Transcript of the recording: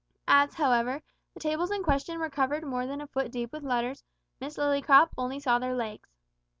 As, however, the tables in question were covered more than a foot deep with letters, Miss Lillycrop only saw their legs.